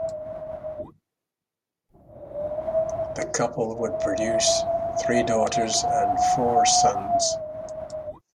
The couple would produce three daughters and four sons.